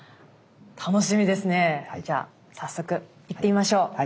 じゃあ早速行ってみましょう！